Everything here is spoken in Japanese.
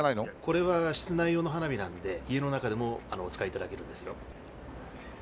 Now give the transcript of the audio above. これは室内用の花火なんで家の中でもお使い頂けるんですよ。